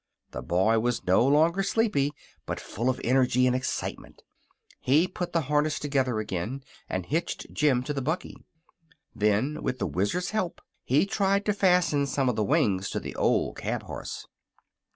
The boy was no longer sleepy, but full of energy and excitement. He put the harness together again and hitched Jim to the buggy. Then, with the Wizard's help, he tried to fasten some of the wings to the old cab horse.